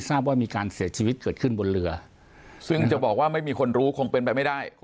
ทราบว่ามีการเสียชีวิตเกิดขึ้นบนเรือซึ่งจะบอกว่าไม่มีคนรู้คงเป็นไปไม่ได้